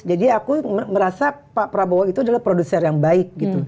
jadi aku merasa pak prabowo itu adalah produser yang baik